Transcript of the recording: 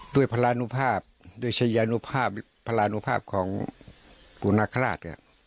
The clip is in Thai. ด้วยพระราณุภาพด้วยชะยานุภาพพระราณุภาพของกุณคราช